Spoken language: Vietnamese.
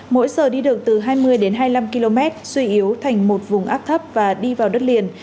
mỗi giờ đi được từ hai mươi đến hai mươi năm km suy yếu thành một vùng áp thấp và đi vào đất liền